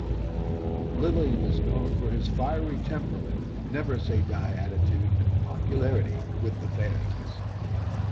Lillee was known for his fiery temperament, 'never-say-die' attitude and popularity with the fans.